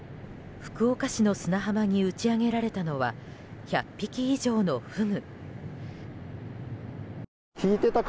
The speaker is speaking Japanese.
福岡市の砂浜に打ち揚げられたのは１００匹以上のフグ。